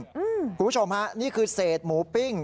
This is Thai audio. คุณผู้ชมฮะนี่คือเศษหมูปิ้ง